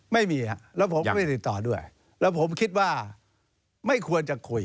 ไม่มีครับแล้วผมก็ไม่ได้ติดต่อด้วยแล้วผมคิดว่าไม่ควรจะคุย